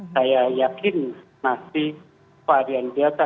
saya yakin masih varian delta